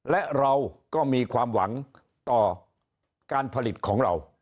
และเราก็มีความหวังต่อการผลิตของเรา